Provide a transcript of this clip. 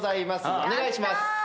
お願いします。